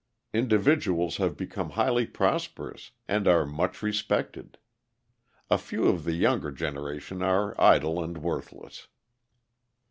Individuals have become highly prosperous and are much respected. A few of the younger generation are idle and worthless.